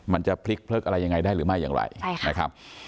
มันจะพลิกอะไรยังไงได้หรือไม่อย่างไรนะครับ